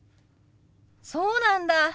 そうなんだ。